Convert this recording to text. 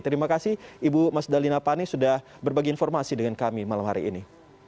terima kasih ibu mas dalina pane sudah berbagi informasi dengan kami malam hari ini